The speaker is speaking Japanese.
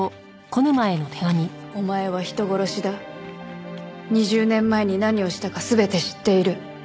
「お前は人殺しだ」「２０年前に何をしたか全て知っている」